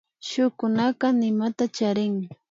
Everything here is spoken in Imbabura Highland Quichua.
Shukunaka nimata charin